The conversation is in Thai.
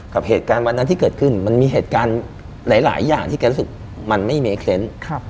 กับเหตุการณ์วันนั้นที่เกิดขึ้นมันมีเหตุการณ์หลายอย่างที่แกรู้สึกมันไม่เมเค้น